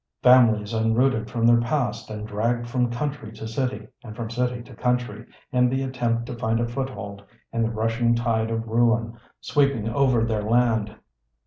Families uprooted from their past and dragged from country to city, and from city to country, in the attempt to find a foothold in the rushing tide of ruin sweeping over their land.